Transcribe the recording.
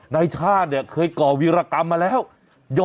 นายชาติเน่ะเคยก่อวีรกรรมอะไรเนี่ย